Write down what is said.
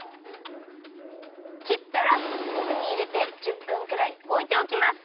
きったら水にいれて１０分くらいおいておきます。